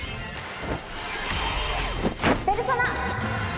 ペルソナ！